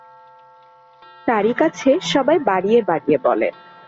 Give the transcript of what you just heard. তারই কাছে সবাই বাড়িয়ে বাড়িয়ে বলে।